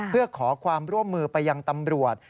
เพื่อขอความร่วมมือไปยังตำรวจ